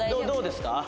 どうですか？